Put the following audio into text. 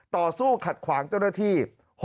ต่อสู้ขัดขวางเจ้าหน้าที่